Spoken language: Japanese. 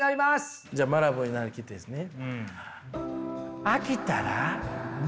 じゃあマラブーに成りきってですね。